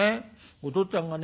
おとっつぁんがね